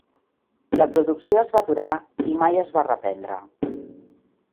La producció es va aturar i mai es va reprendre.